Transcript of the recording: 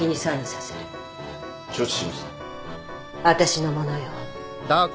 私のものよ。